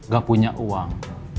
gak punya uang